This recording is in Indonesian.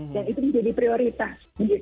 dan itu menjadi prioritas